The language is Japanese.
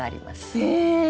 へえ！